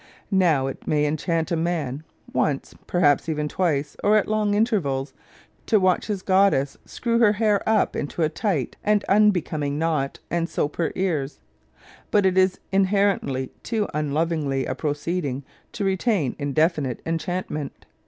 Now it may enchant a man once — perhaps even twice — or at long intervals — to watch his goddess screw her hair up into a tight and unbecoming knot and soap her ears. But it is in herently too unlovely a proceeding to retain indefinite enchantment.